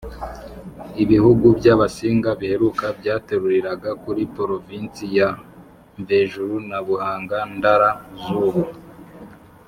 ibihugu by’abasinga biheruka, byateruriraga kuri provinsi ya mvejuru na buhanga-ndara z’ubu